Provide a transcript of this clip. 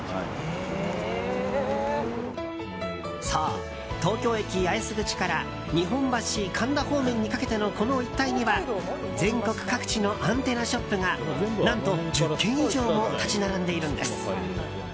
そう、東京駅八重洲口から日本橋、神田方面にかけてのこの一帯には全国各地のアンテナショップが何と１０軒以上も立ち並んでいるんです。